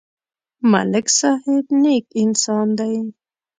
ملک صاحب نېک انسان دی.